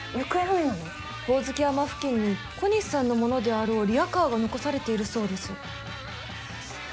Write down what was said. ホオズキ山付近に小西さんのものであろうリアカーが残されているそうです。